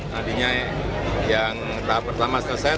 nantinya yang tahap pertama selesai